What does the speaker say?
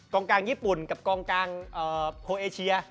กลางญี่ปุ่นกับกองกลางโพลเอเชีย